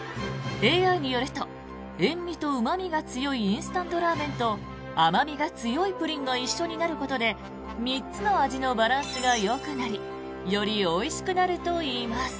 ＡＩによると塩味とうま味が強いインスタントラーメンと甘味が強いプリンが一緒になることで３つの味のバランスがよくなりよりおいしくなるといいます。